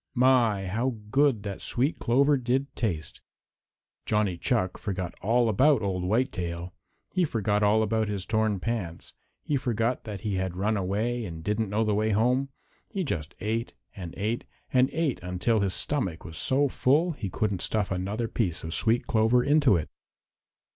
My, how good that sweet clover did taste! Johnny Chuck forgot all about Old Whitetail. He forgot all about his torn pants. He forgot that he had run away and didn't know the way home. He just ate and ate and ate until his stomach was so full he couldn't stuff another piece of sweet clover into it.